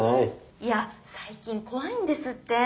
いや最近怖いんですってェ。